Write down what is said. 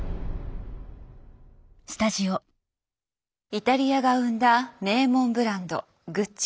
イタリアが生んだ名門ブランドグッチ。